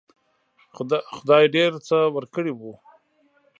خدای ډېر څه ورکړي وو.